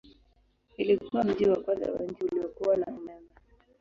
Ilikuwa mji wa kwanza wa nchi uliokuwa na umeme.